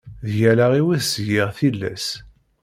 Deg allaɣ-iw i s-giɣ tilas.